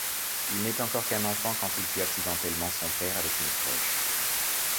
Il n’est encore qu’un enfant quand il tue accidentellement son père avec une flèche.